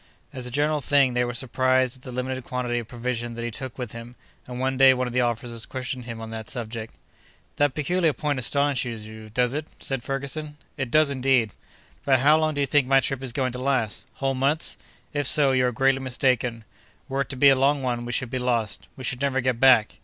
As a general thing, they were surprised at the limited quantity of provision that he took with him; and one day one of the officers questioned him on that subject. "That peculiar point astonishes you, does it?" said Ferguson. "It does, indeed." "But how long do you think my trip is going to last? Whole months? If so, you are greatly mistaken. Were it to be a long one, we should be lost; we should never get back.